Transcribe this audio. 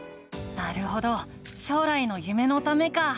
なるほど将来の夢のためか。